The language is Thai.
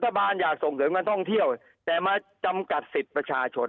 บานอย่าส่งเสริมการท่องเที่ยวแต่มาจำกัดสิทธิ์ประชาชน